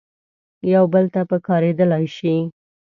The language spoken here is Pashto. یو بل ته پکارېدلای شي.